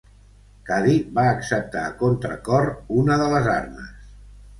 Cuddie va acceptar a contracor una de les armes.